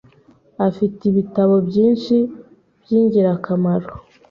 Afite ibitabo byinshi byingirakamaro .